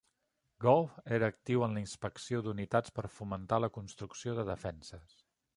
Gough era actiu en la inspecció d'unitats per fomentar la construcció de defenses.